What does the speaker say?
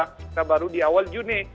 kita baru di awal juni